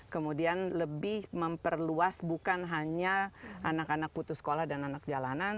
kemudian lebih memperluas bukan hanya anak anak putus sekolah dan anak jalanan